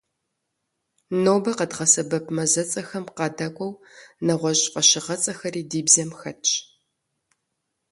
Нобэ къэдгъэсэбэп мазэцӀэхэм къадэкӏуэу, нэгъуэщӀ фӀэщыгъэцӀэхэри ди бзэм хэтщ.